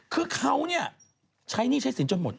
คือเขาเนี่ยใช้หนี้ใช้สินจนหมด